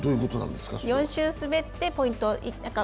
４周滑ってポイント。